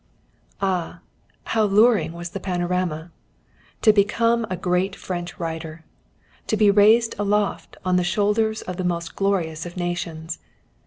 Ah! how luring was the panorama.... To become a great French writer! To be raised aloft on the shoulders of the most glorious of nations!